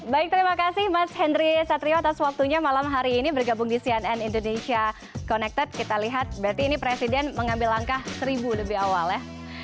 baik terima kasih mas henry satrio atas waktunya malam hari ini bergabung di cnn indonesia connected kita lihat berarti ini presiden mengambil langkah seribu lebih awal ya